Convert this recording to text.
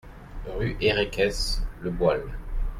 Rue Herèques, Le Boisle